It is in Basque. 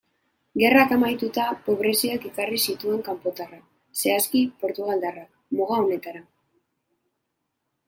Gerrak amaituta, pobreziak ekarri zituen kanpotarrak, zehazki portugaldarrak, muga honetara.